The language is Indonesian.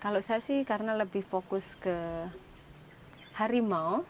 kalau saya sih karena lebih fokus ke harimau